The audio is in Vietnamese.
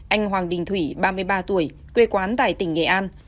anh hoàng đình thủy ba mươi ba tuổi quê quán tại tỉnh nghệ an